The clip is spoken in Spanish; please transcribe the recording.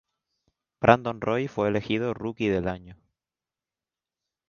Brandon Roy fue elegido rookie del año.